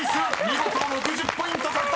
見事６０ポイント獲得！］